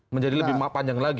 menjadi lebih panjang lagi